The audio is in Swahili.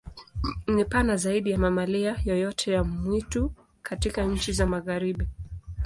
Ni pana zaidi ya mamalia yoyote ya mwitu katika nchi za Magharibi.